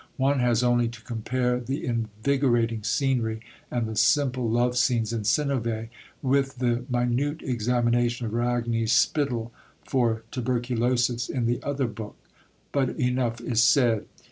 One has only to compare the invigorating scenery and the simple love scenes in Synnövé with the minute examination of Ragni's spittle (for tuberculosis) in the other book but enough is said.